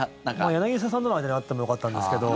柳澤さんとの間にはあってもよかったんですけど